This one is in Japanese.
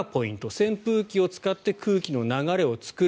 扇風機を使って空気の流れを作る。